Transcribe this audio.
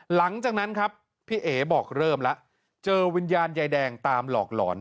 หลังจากนั้นครับพี่เอ๋บอกเริ่มแล้วเจอวิญญาณยายแดงตามหลอกหลอน